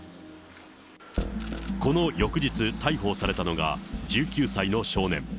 この翌日、逮捕されたのが１９歳の少年。